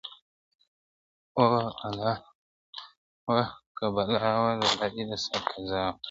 o الا وه که بلا وه د لالي د سر قضا وه٫